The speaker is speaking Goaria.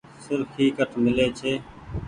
سرکي ڪٺ ميلي ڇي۔